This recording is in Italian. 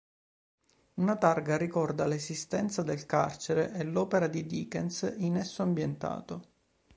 Una targa ricorda l'esistenza del carcere e l'opera di Dickens in esso ambientato.